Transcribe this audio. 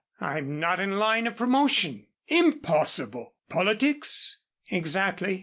"I'm not in line of promotion." "Impossible! Politics?" "Exactly.